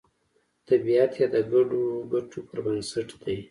طبیعت یې د ګډو ګټو پر بنسټ دی